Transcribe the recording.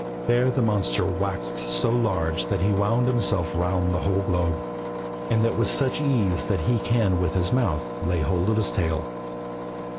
There the monster waxed so large that he wound himself round the whole globe, and that with such ease that he can with his mouth lay hold of his tail.